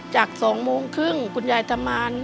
จาก๒โมงครึ่งคุณยายทำงาน